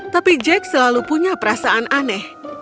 tapi jack selalu punya perasaan aneh